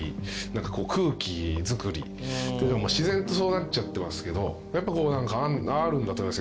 なんかこう空気作りって自然とそうなっちゃってますけどやっぱこうなんかあるんだと思います。